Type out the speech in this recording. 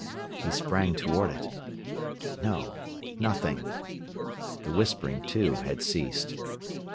He sprang toward it. No! Nothing! The whispering, too, had ceased.